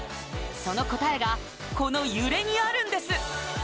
その答えがこの揺れにあるんです